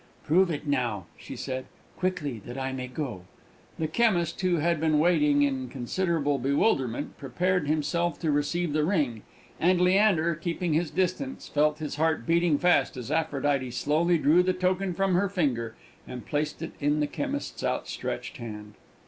"Prove it now," she said, "quickly, that I may go!" The chemist, who had been waiting in considerable bewilderment, prepared himself to receive the ring, and Leander, keeping his distance, felt his heart beating fast as Aphrodite slowly drew the token from her finger, and placed it in the chemist's outstretched hand.